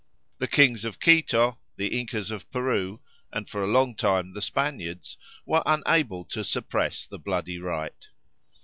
The kings of Quito, the Incas of Peru, and for a long time the Spaniards were unable to suppress the bloody rite.